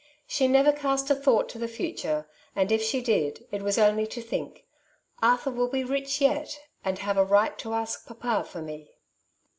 She never cast a thought to the future, and if she did, it was only to think, " Arthur will be rich yet, and have a right to ask papa for me.